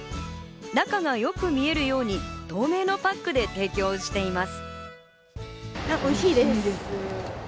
中がよく見えるように透明のパックで提供しています。